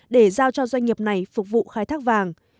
để giao cho doanh nghiệp này phục vụ khai thác vàng